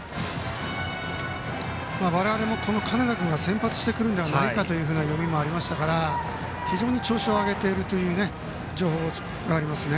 我々も金田君が先発してくるんじゃないかという読みもありましたから非常に調子を上げているという情報がありますね。